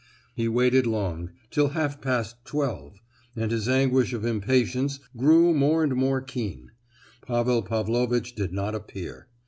He waited long—till half past twelve, and his anguish of impatience grew more and more keen. Pavel Pavlovitch did not appear.